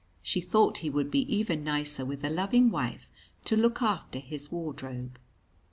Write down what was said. She thought he would be even nicer with a loving wife to look after his wardrobe.